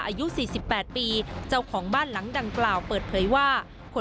อายุ๔๘ปีเจ้าของบ้านหลังดังกล่าวเปิดเผยว่าคน